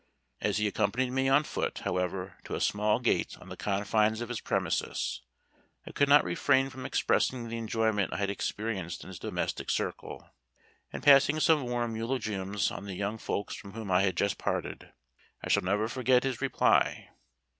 As he accompanied me on foot, however, to a small gate on the confines of his premises, I could not refrain from expressing the enjoyment I had experienced in his domestic circle, and passing some warm eulogiums on the young folks from whom I had just parted. I shall never forget his reply.